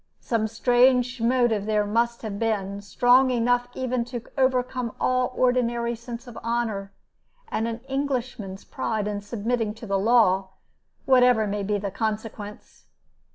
Some strange motive there must have been, strong enough even to overcome all ordinary sense of honor, and an Englishman's pride in submitting to the law, whatever may be the consequence.